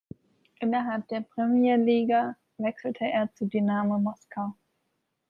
Innerhalb der Premjer-Liga wechselte er zu Dynamo Moskau.